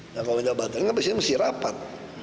nah kalau minta batalin apa sih mesti rapat